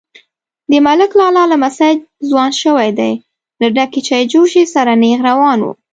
_د ملک لالا لمسی ځوان شوی دی، له ډکې چايجوشې سره نيغ روان و.